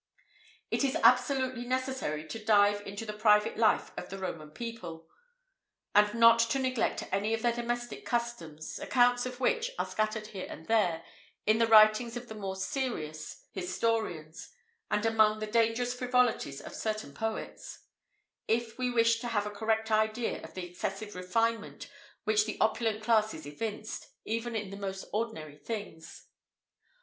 [IV 55] It is absolutely necessary to dive into the private life of the Roman people, and not to neglect any of their domestic customs (accounts of which are scattered here and there, in the writings of the more serious historians, and among the dangerous frivolities of certain poets), if we wish to have a correct idea of the excessive refinement which the opulent classes evinced, even in the most ordinary things.